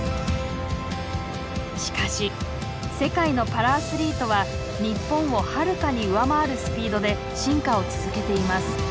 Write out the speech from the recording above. しかし世界のパラアスリートは日本をはるかに上回るスピードで進化を続けています。